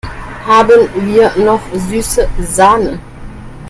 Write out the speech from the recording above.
Haben wir noch süße Sahne?